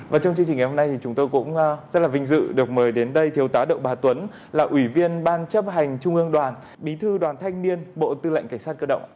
và trong chương trình ngày hôm nay thì chúng tôi cũng rất là vinh dự được mời đến đây thiếu tá động bà tuấn là ủy viên ban chấp hành trung ương đoàn bí thư đoàn thanh niên bộ tư lệnh cảnh sát cơ động